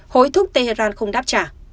hối thúc tehran không đáp trả